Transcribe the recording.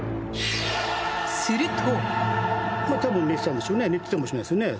すると。